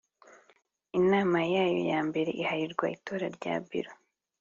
inama yayo ya mbere iharirwa itora rya Biro